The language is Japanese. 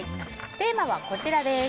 テーマはこちらです。